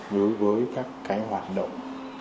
đối với các cái hoạt động